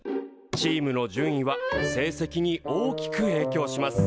チームの順位は成績に大きくえいきょうします。